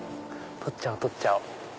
撮っちゃおう撮っちゃおう。